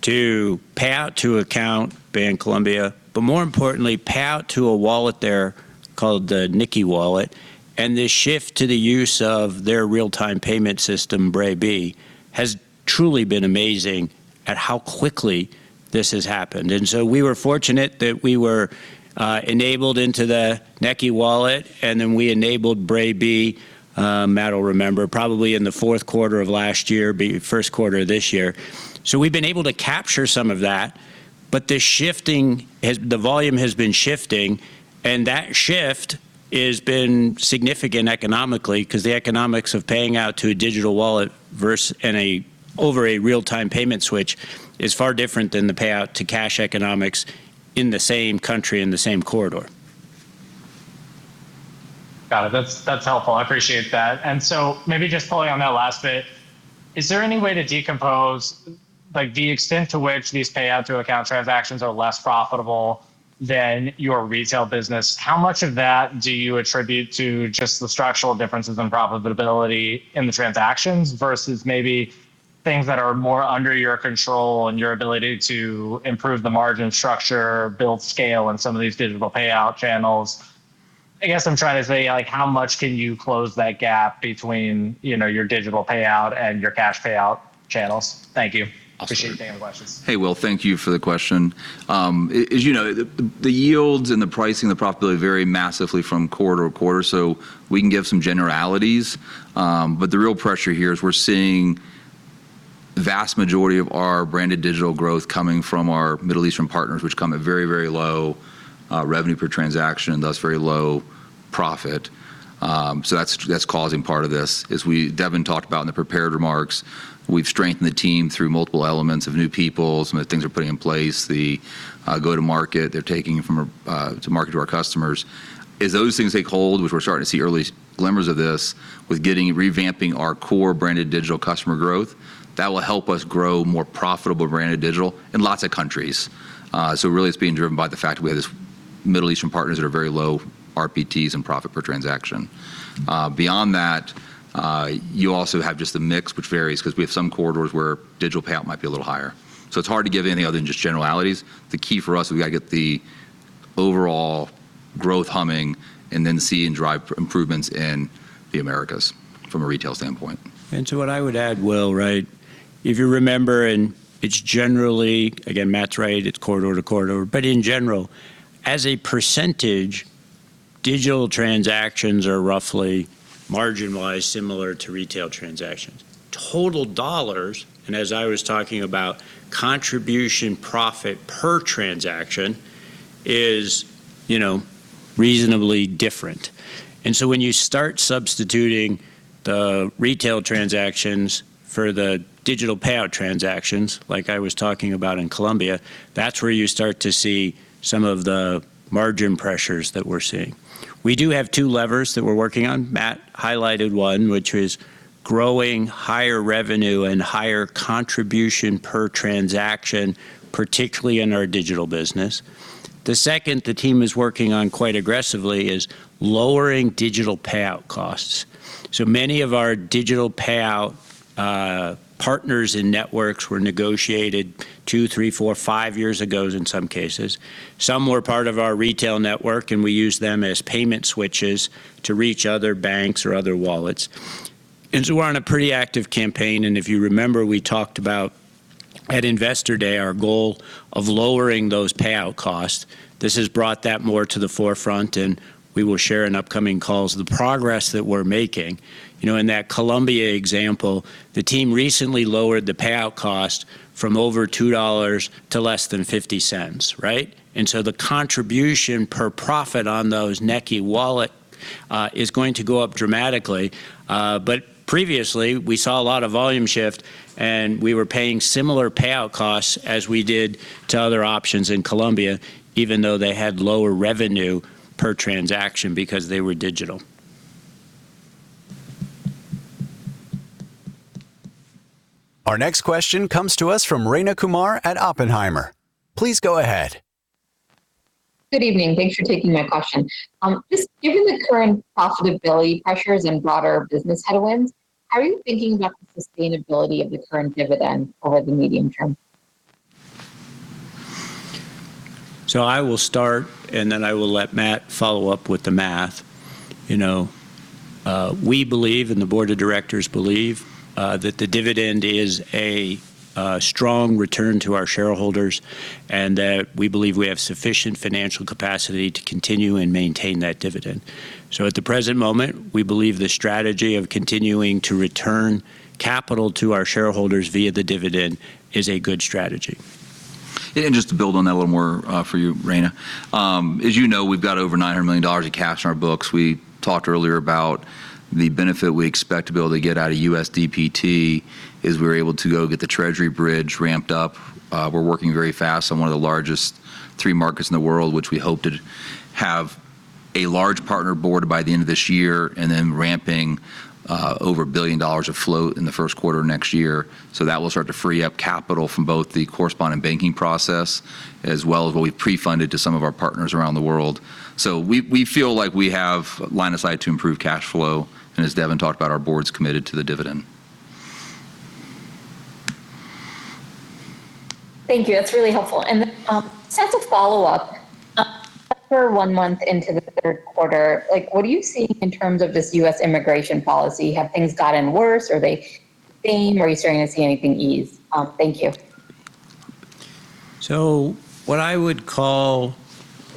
to pay out to account, in Colombia, but more importantly, payout to a wallet there called the Nequi wallet, and this shift to the use of their real-time payment system, Bre-B, has truly been amazing at how quickly this has happened. We were fortunate that we were enabled into the Nequi wallet, and then we enabled Bre-B, Matt will remember, probably in the fourth quarter of last year, first quarter of this year. We've been able to capture some of that, but the volume has been shifting, and that shift has been significant economically because the economics of paying out to a digital wallet over a real-time payment switch is far different than the payout to cash economics in the same country, in the same corridor. Got it. That's helpful. I appreciate that. Maybe just following on that last bit, is there any way to decompose the extent to which these payout-to-account transactions are less profitable than your retail business? How much of that do you attribute to just the structural differences in profitability in the transactions versus maybe things that are more under your control and your ability to improve the margin structure, build scale in some of these digital payout channels? I guess I'm trying to say, how much can you close that gap between your digital payout and your cash payout channels? Thank you. Absolutely. Appreciate you taking the questions. Hey, Will, thank you for the question. As you know, the yields and the pricing and the profitability vary massively from quarter to quarter. We can give some generalities, but the real pressure here is we're seeing vast majority of our Branded Digital growth coming from our Middle Eastern partners, which come at very, very low revenue per transaction, thus very low profit. That's causing part of this. As Devin talked about in the prepared remarks, we've strengthened the team through multiple elements of new people, some of the things we're putting in place, the go to market they're taking from to market to our customers. As those things take hold, which we're starting to see early glimmers of this with revamping our core Branded Digital customer growth, that will help us grow more profitable Branded Digital in lots of countries. Really, it's being driven by the fact we have this Middle Eastern partners that are very low RPTs and profit per transaction. Beyond that, you also have just the mix, which varies because we have some corridors where digital payout might be a little higher. It's hard to give any other than just generalities. The key for us is we got to get the overall growth humming and then see and drive improvements in the Americas from a retail standpoint. To what I would add, Will, if you remember, and it's generally, again, Matt's right, it's corridor to corridor, but in general, as a percentage, digital transactions are roughly margin-wise similar to retail transactions. Total dollars, and as I was talking about contribution profit per transaction is reasonably different. When you start substituting the retail transactions for the digital payout transactions, like I was talking about in Colombia, that's where you start to see some of the margin pressures that we're seeing. We do have two levers that we're working on. Matt highlighted one, which was growing higher revenue and higher contribution per transaction, particularly in our digital business. The second the team is working on quite aggressively is lowering digital payout costs. Many of our digital payout partners and networks were negotiated two, three, four, five years ago in some cases. Some were part of our retail network, and we used them as payment switches to reach other banks or other wallets. We're on a pretty active campaign, and if you remember, we talked about at Investor Day, our goal of lowering those payout costs, this has brought that more to the forefront, and we will share in upcoming calls the progress that we're making. In that Colombia example, the team recently lowered the payout cost from over $2 to less than $0.50. Right. The contribution per profit on those Nequi wallet is going to go up dramatically. Previously, we saw a lot of volume shift, and we were paying similar payout costs as we did to other options in Colombia, even though they had lower revenue per transaction because they were digital. Our next question comes to us from Rayna Kumar at Oppenheimer. Please go ahead. Good evening. Thanks for taking my question. Just given the current profitability pressures and broader business headwinds, how are you thinking about the sustainability of the current dividend over the medium term? I will start, then I will let Matt follow up with the math. We believe, the board of directors believe, that the dividend is a strong return to our shareholders, and that we believe we have sufficient financial capacity to continue and maintain that dividend. At the present moment, we believe the strategy of continuing to return capital to our shareholders via the dividend is a good strategy. Just to build on that a little more for you, Rayna. As you know, we've got over $900 million of cash on our books. We talked earlier about the benefit we expect to be able to get out of USDPT, is we're able to go get the Treasury Bridge ramped up. We're working very fast on one of the largest three markets in the world, which we hope to have a large partner board by the end of this year, and then ramping over $1 billion of float in the first quarter next year. That will start to free up capital from both the correspondent banking process as well as what we've pre-funded to some of our partners around the world. We feel like we have line of sight to improve cash flow, and as Devin talked about, our board's committed to the dividend. Thank you. That's really helpful. Sense of follow-up. After one month into the third quarter, what are you seeing in terms of this U.S. immigration policy? Have things gotten worse? Are they staying? Are you starting to see anything ease? Thank you. What I would call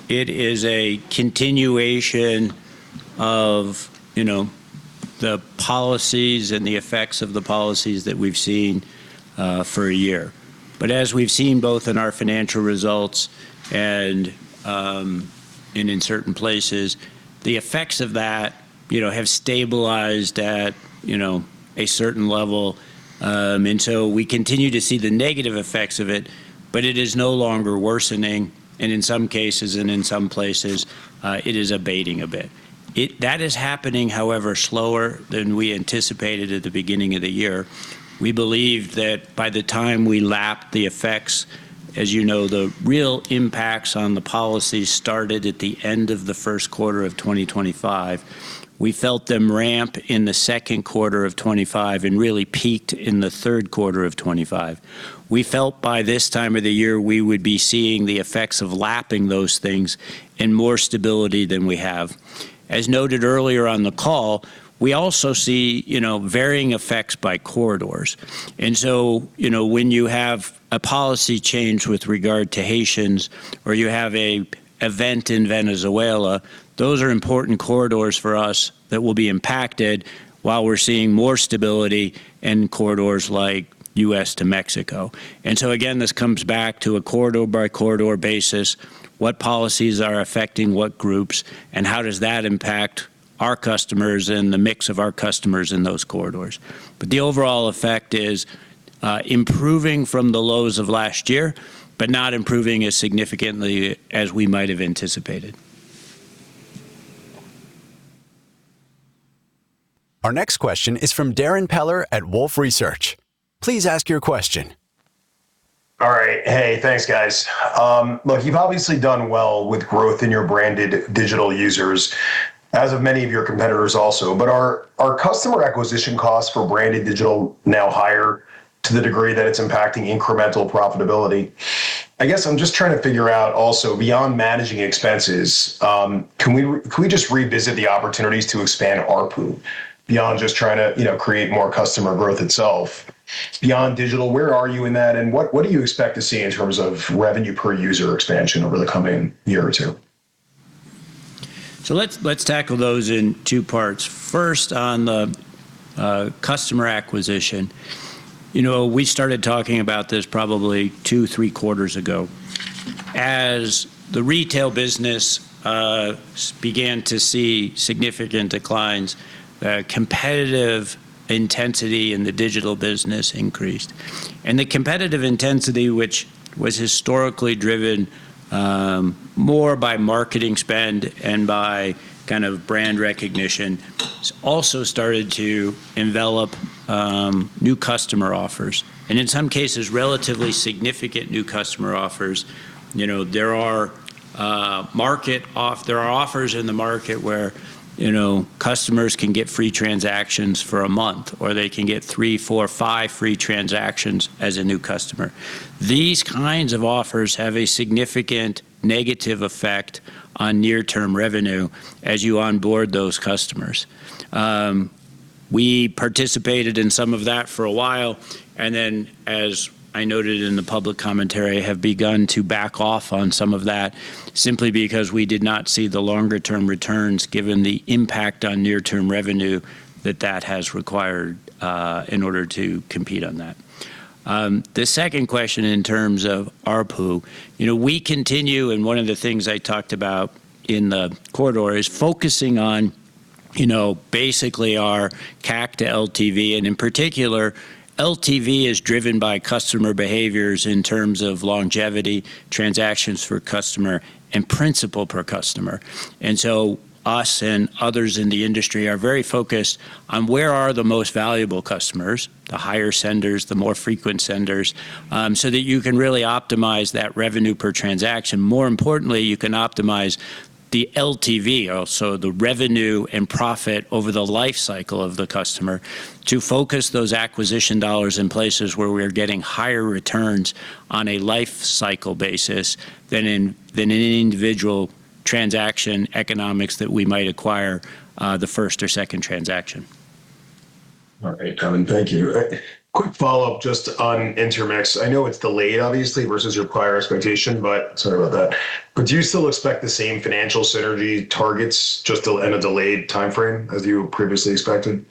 it is a continuation of the policies and the effects of the policies that we've seen for a year. As we've seen both in our financial results and in certain places, the effects of that have stabilized at a certain level. We continue to see the negative effects of it, but it is no longer worsening, and in some cases and in some places, it is abating a bit. That is happening, however, slower than we anticipated at the beginning of the year. We believe that by the time we lap the effects, as you know, the real impacts on the policy started at the end of the first quarter of 2025. We felt them ramp in the second quarter of 2025, and really peaked in the third quarter of 2025. We felt by this time of the year, we would be seeing the effects of lapping those things and more stability than we have. As noted earlier on the call, we also see varying effects by corridors. When you have a policy change with regard to Haitians, or you have an event in Venezuela, those are important corridors for us that will be impacted while we're seeing more stability in corridors like U.S. to Mexico. Again, this comes back to a corridor-by-corridor basis, what policies are affecting what groups, and how does that impact our customers and the mix of our customers in those corridors. The overall effect is improving from the lows of last year, but not improving as significantly as we might have anticipated. Our next question is from Darrin Peller at Wolfe Research. Please ask your question. All right. Hey, thanks, guys. Look, you've obviously done well with growth in your Branded Digital users, as have many of your competitors also. Are customer acquisition costs for Branded Digital now higher to the degree that it's impacting incremental profitability? I guess I'm just trying to figure out also, beyond managing expenses, can we just revisit the opportunities to expand ARPU beyond just trying to create more customer growth itself? Beyond digital, where are you in that, and what do you expect to see in terms of revenue per user expansion over the coming year or two? Let's tackle those in two parts. First, on the customer acquisition. We started talking about this probably two, three quarters ago. As the retail business began to see significant declines, competitive intensity in the digital business increased. The competitive intensity, which was historically driven more by marketing spend and by kind of brand recognition, also started to envelop new customer offers. In some cases, relatively significant new customer offers. There are offers in the market where customers can get free transactions for a month, or they can get three, four, five free transactions as a new customer. These kinds of offers have a significant negative effect on near-term revenue as you onboard those customers. We participated in some of that for a while, then, as I noted in the public commentary, have begun to back off on some of that simply because we did not see the longer-term returns, given the impact on near-term revenue that that has required in order to compete on that. The second question in terms of ARPU, we continue, and one of the things I talked about in the corridor is focusing on basically our CAC to LTV. In particular, LTV is driven by customer behaviors in terms of longevity, transactions for customer and principal per customer. Us and others in the industry are very focused on where are the most valuable customers, the higher senders, the more frequent senders, so that you can really optimize that revenue per transaction. More importantly, you can optimize the LTV, also the revenue and profit over the life cycle of the customer, to focus those acquisition dollars in places where we are getting higher returns on a life cycle basis than in any individual transaction economics that we might acquire the first or second transaction. All right, Devin. Thank you. Quick follow-up just on Intermex. I know it's delayed, obviously, versus your prior expectation, but sorry about that. Do you still expect the same financial synergy targets, just in a delayed timeframe as you previously expected?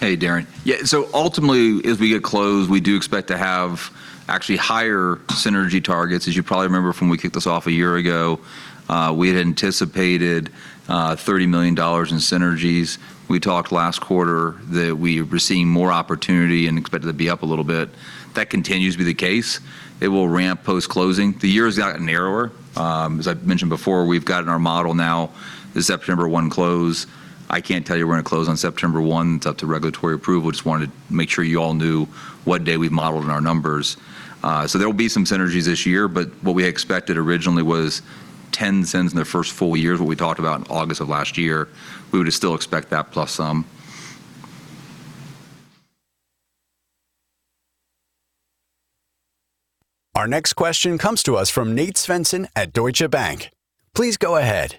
Hey, Darrin. Yeah. Ultimately, as we get close, we do expect to have actually higher synergy targets. As you probably remember from when we kicked this off a year ago, we had anticipated $30 million in synergies. We talked last quarter that we were seeing more opportunity and expected to be up a little bit. That continues to be the case. It will ramp post-closing. The year has gotten narrower. As I've mentioned before, we've got in our model now the September 1 close. I can't tell you we're going to close on September 1. It's up to regulatory approval. Just wanted to make sure you all knew what day we've modeled in our numbers. There'll be some synergies this year, but what we had expected originally was $0.10 in the first full-year, is what we talked about in August of last year. We would still expect that plus some. Our next question comes to us from Nate Svensson at Deutsche Bank. Please go ahead.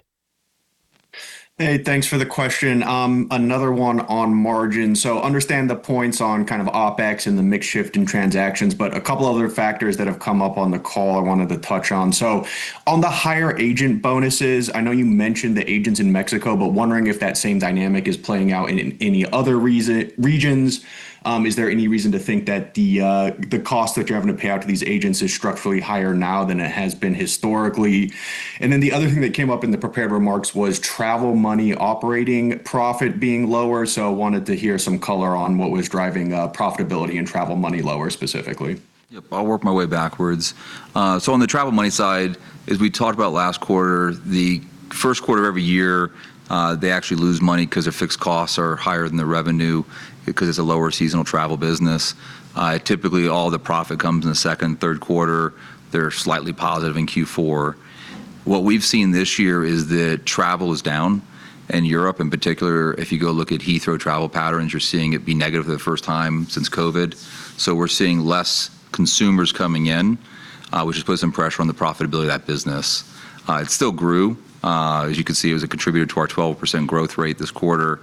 Thanks for the question. Another one on margin. Understand the points on kind of OpEx and the mix shift in transactions, a couple of other factors that have come up on the call I wanted to touch on. On the higher agent bonuses, I know you mentioned the agents in Mexico, wondering if that same dynamic is playing out in any other regions. Is there any reason to think that the cost that you're having to pay out to these agents is structurally higher now than it has been historically? The other thing that came up in the prepared remarks was Travel Money operating profit being lower. I wanted to hear some color on what was driving profitability and Travel Money lower specifically. Yep. I'll work my way backwards. On the Travel Money side, as we talked about last quarter, the first quarter of every year, they actually lose money because their fixed costs are higher than the revenue because it's a lower seasonal travel business. Typically, all the profit comes in the second, third quarter. They're slightly positive in Q4. What we've seen this year is that travel is down in Europe. In particular, if you go look at Heathrow travel patterns, you're seeing it be negative for the first time since COVID. We're seeing less consumers coming in, which has put some pressure on the profitability of that business. It still grew. As you can see, it was a contributor to our 12% growth rate this quarter,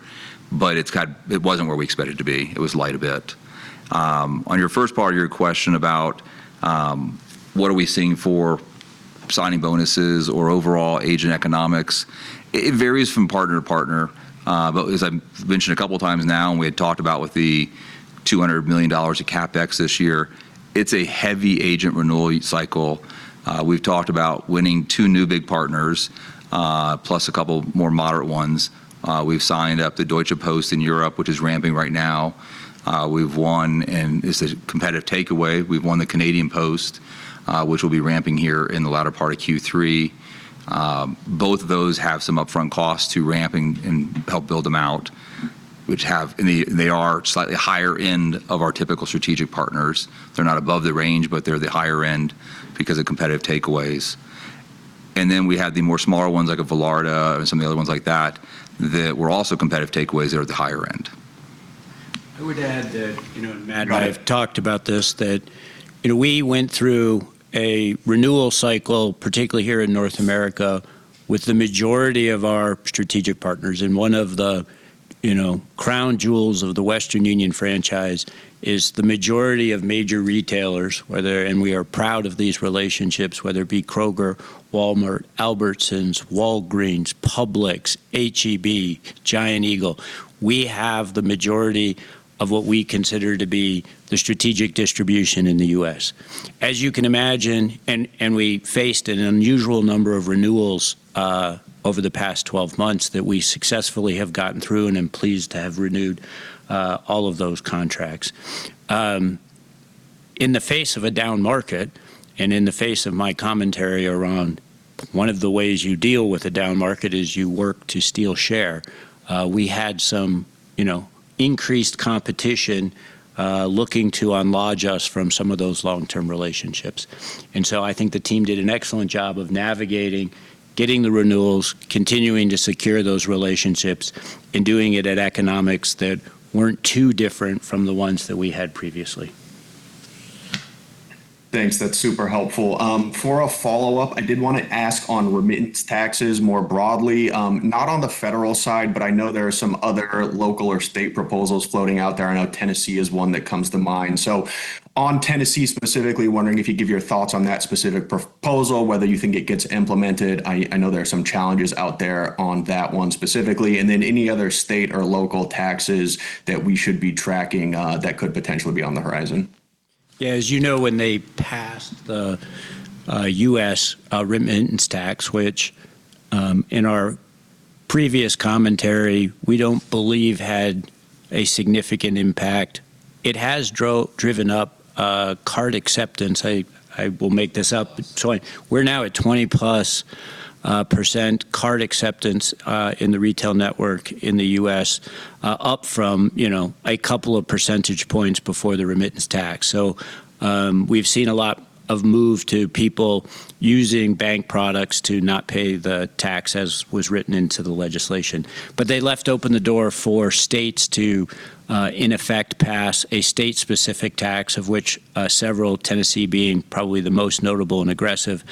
it wasn't where we expected to be. It was light a bit. On your first part of your question about what are we seeing for signing bonuses or overall agent economics, it varies from partner to partner. As I've mentioned a couple of times now, and we had talked about with the $200 million of CapEx this year, it's a heavy agent renewal cycle. We've talked about winning two new big partners, plus a couple more moderate ones. We've signed up the Deutsche Post in Europe, which is ramping right now. We've won, and this is a competitive takeaway, we've won the Canada Post, which will be ramping here in the latter part of Q3. Both of those have some upfront costs to ramp and help build them out. They are slightly higher end of our typical strategic partners. They're not above the range, they're the higher end because of competitive takeaways. We have the more smaller ones like a Velarda and some of the other ones like that were also competitive takeaways that are at the higher end. I would add that, Matt and I have talked about this, that we went through a renewal cycle, particularly here in North America, with the majority of our strategic partners. One of the crown jewels of the Western Union franchise is the majority of major retailers, and we are proud of these relationships, whether it be Kroger, Walmart, Albertsons, Walgreens, Publix, H-E-B, Giant Eagle. We have the majority of what we consider to be the strategic distribution in the U.S. As you can imagine, we faced an unusual number of renewals over the past 12 months that we successfully have gotten through and I am pleased to have renewed all of those contracts. In the face of a down market and in the face of my commentary around one of the ways you deal with a down market is you work to steal share. We had some increased competition looking to unlodge us from some of those long-term relationships. I think the team did an excellent job of navigating, getting the renewals, continuing to secure those relationships, and doing it at economics that weren't too different from the ones that we had previously. Thanks. That's super helpful. For a follow-up, I did want to ask on remittance taxes more broadly. Not on the federal side, but I know there are some other local or state proposals floating out there. I know Tennessee is one that comes to mind. On Tennessee specifically, wondering if you'd give your thoughts on that specific proposal, whether you think it gets implemented. I know there are some challenges out there on that one specifically. Any other state or local taxes that we should be tracking that could potentially be on the horizon. Yeah, as you know, when they passed the U.S. remittance tax, which, in our previous commentary, we don't believe had a significant impact. It has driven up card acceptance. I will make this up. We're now at 20%+ card acceptance in the retail network in the U.S., up from a couple of percentage points before the remittance tax. We've seen a lot of move to people using bank products to not pay the tax as was written into the legislation. They left open the door for states to, in effect, pass a state-specific tax, of which several, Tennessee being probably the most notable and aggressive,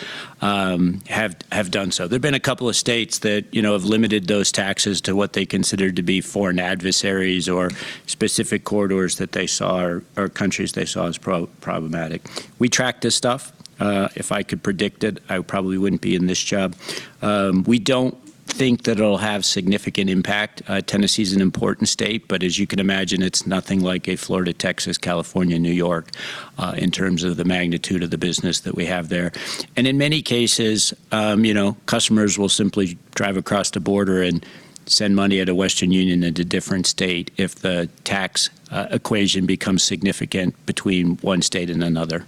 have done so. There've been a couple of states that have limited those taxes to what they consider to be foreign adversaries or specific corridors that they saw or countries they saw as problematic. We track this stuff. If I could predict it, I probably wouldn't be in this job. We don't think that it'll have significant impact. Tennessee's an important state, but as you can imagine, it's nothing like a Florida, Texas, California, New York, in terms of the magnitude of the business that we have there. In many cases, customers will simply drive across the border and send money at a Western Union at a different state if the tax equation becomes significant between one state and another.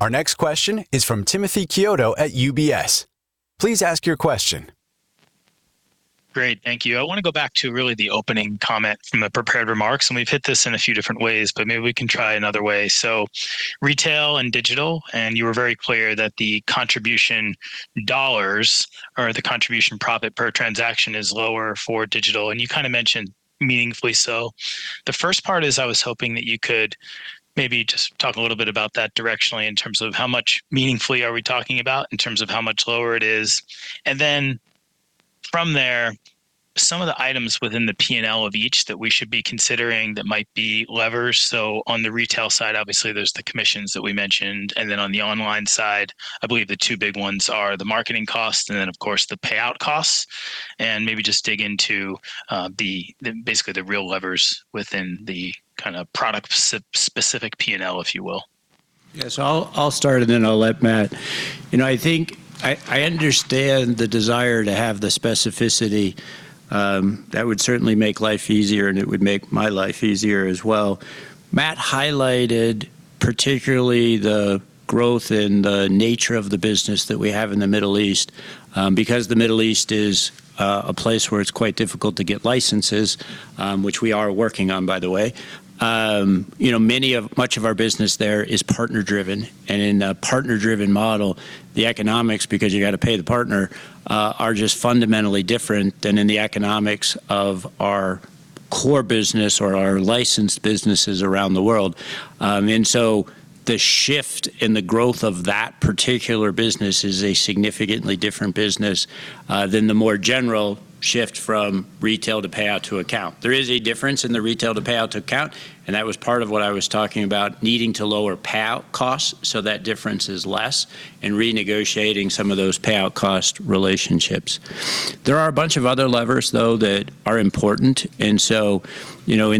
Our next question is from Timothy Chiodo at UBS. Please ask your question. Great. Thank you. I want to go back to really the opening comment from the prepared remarks, we've hit this in a few different ways, maybe we can try another way. Retail and digital, you were very clear that the contribution dollars or the contribution profit per transaction is lower for digital, and you kind of mentioned meaningfully so. The first part is I was hoping that you could maybe just talk a little bit about that directionally in terms of how much meaningfully are we talking about in terms of how much lower it is. Then from there, some of the items within the P&L of each that we should be considering that might be levers. On the retail side, obviously, there's the commissions that we mentioned. Then on the online side, I believe the two big ones are the marketing costs, then, of course, the payout costs. Maybe just dig into basically the real levers within the kind of product-specific P&L, if you will. I'll start, and then I'll let Matt. I think I understand the desire to have the specificity. That would certainly make life easier, and it would make my life easier as well. Matt highlighted particularly the growth in the nature of the business that we have in the Middle East. Because the Middle East is a place where it's quite difficult to get licenses, which we are working on, by the way, much of our business there is partner-driven. In a partner-driven model, the economics, because you got to pay the partner, are just fundamentally different than in the economics of our core business or our licensed businesses around the world. The shift in the growth of that particular business is a significantly different business than the more general shift from retail to payout to account. There is a difference in the retail to payout to account, and that was part of what I was talking about needing to lower payout costs so that difference is less and renegotiating some of those payout cost relationships. There are a bunch of other levers, though, that are important. In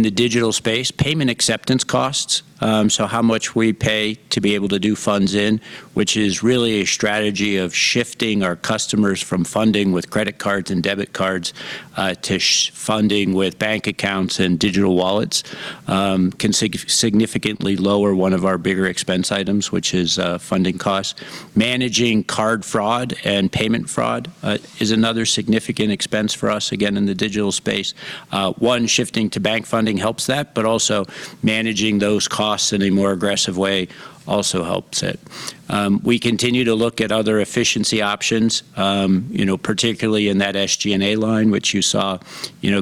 the digital space, payment acceptance costs, so how much we pay to be able to do funds in, which is really a strategy of shifting our customers from funding with credit cards and debit cards to funding with bank accounts and digital wallets can significantly lower one of our bigger expense items, which is funding costs. Managing card fraud and payment fraud is another significant expense for us, again, in the digital space. One, shifting to bank funding helps that, but also managing those costs in a more aggressive way also helps it. We continue to look at other efficiency options, particularly in that SG&A line, which you saw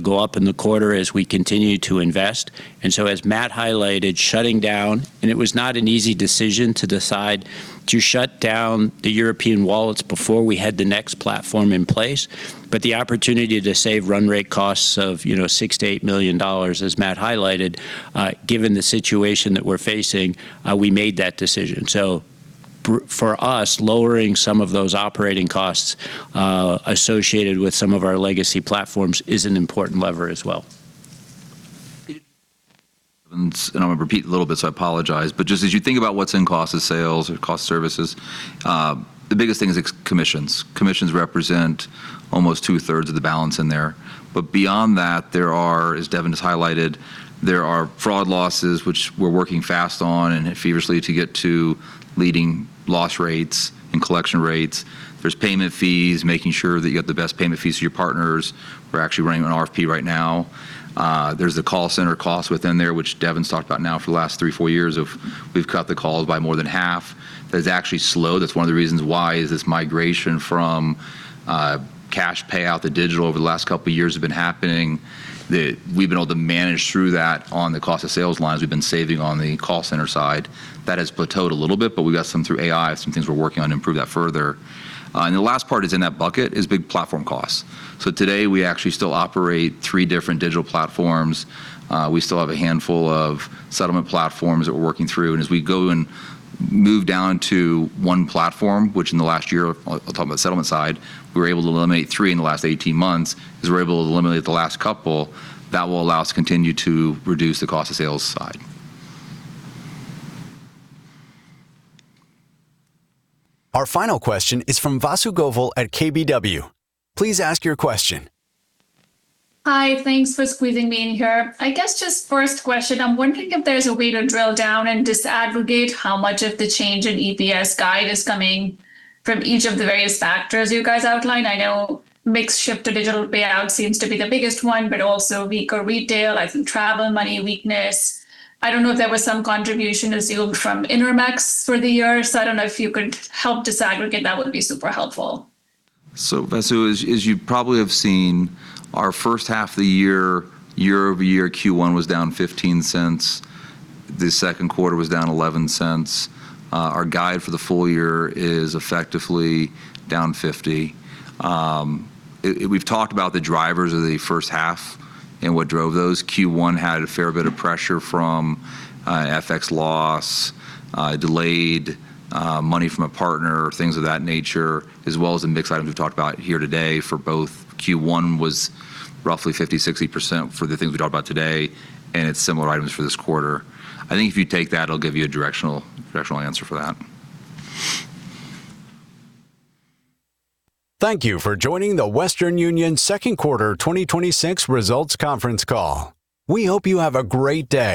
go up in the quarter as we continue to invest. As Matt highlighted, shutting down, and it was not an easy decision to decide to shut down the European wallets before we had the next platform in place. The opportunity to save run rate costs of $6 million to $8 million, as Matt highlighted, given the situation that we're facing, we made that decision. For us, lowering some of those operating costs associated with some of our legacy platforms is an important lever as well. I'm going to repeat a little bit, so I apologize. Just as you think about what's in cost of sales or cost of services, the biggest thing is commissions. Commissions represent almost two-thirds of the balance in there. Beyond that, there are, as Devin has highlighted, there are fraud losses, which we're working fast on and feverishly to get to leading loss rates and collection rates. There's payment fees, making sure that you get the best payment fees to your partners. We're actually running an RFP right now. There's the call center cost within there, which Devin's talked about now for the last three, four years of we've cut the calls by more than half. That has actually slowed. Settlement platforms that we're working through, and as we go and move down to one platform, which in the last year, I'll talk about the settlement side, we were able to eliminate three in the last 18 months. As we're able to eliminate the last couple, that will allow us to continue to reduce the cost of sales side. Our final question is from Vasu Govil at KBW. Please ask your question. Hi, thanks for squeezing me in here. I guess just first question, I'm wondering if there's a way to drill down and disaggregate how much of the change in EPS guide is coming from each of the various factors you guys outlined. I know mix shift to digital payout seems to be the biggest one, but also weaker retail. I see Travel Money weakness. I don't know if there was some contribution of Zoom from Intermex for the year. I don't know if you could help disaggregate, that would be super helpful. Vasu, as you probably have seen, our first half of the year-over-year Q1 was down $0.15. The second quarter was down $0.11. Our guide for the full-year is effectively down $0.50. We've talked about the drivers of the first half and what drove those. Q1 had a fair bit of pressure from FX loss, delayed money from a partner, things of that nature, as well as the mix item we've talked about here today for both Q1 was roughly 50%-60% for the things we talked about today, and it's similar items for this quarter. I think if you take that, it'll give you a directional answer for that. Thank you for joining the Western Union second quarter 2026 results conference call. We hope you have a great day.